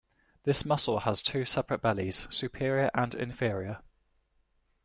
This muscle has two separate bellies: superior and inferior.